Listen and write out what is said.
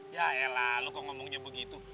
yaelah lo kok ngomongnya begitu